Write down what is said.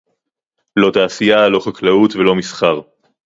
לא תעשייה, לא חקלאות ולא מסחר